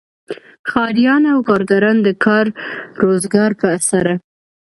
ښاریان او کارګران د کار روزګار په اسره.